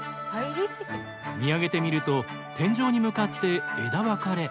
見上げてみると天井に向かって枝分かれ。